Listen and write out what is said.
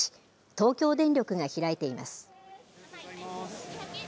東京電力が開いています。